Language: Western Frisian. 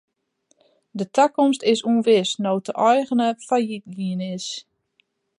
De takomst is ûnwis no't de eigener fallyt gien is.